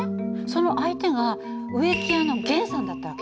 その相手が植木屋の源さんだった訳。